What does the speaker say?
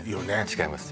違います